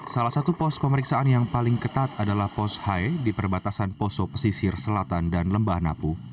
salah satu pos pemeriksaan yang paling ketat adalah pos hai di perbatasan poso pesisir selatan dan lembah napu